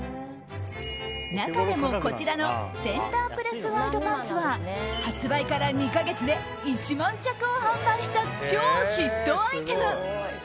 中でも、こちらのセンタープレスワイドパンツは発売から２か月で１万着を販売した超ヒットアイテム。